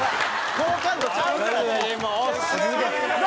好感度ちゃうからＣＭは。